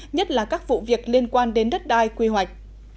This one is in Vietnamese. nhất là các vụ việc liên quan đến đất đai quy hoạch